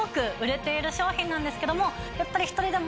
やっぱり。